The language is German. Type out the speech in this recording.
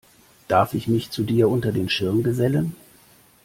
Darf ich mich zu dir unter den Schirm gesellen?